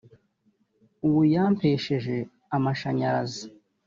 ubu yampesheje amashanyarazi